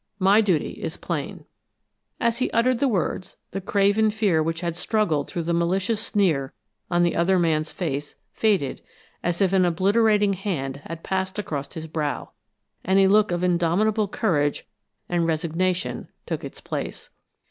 My duty is plain." As he uttered the words, the craven fear which had struggled through the malicious sneer on the other man's face faded as if an obliterating hand had passed across his brow, and a look of indomitable courage and resignation took its place.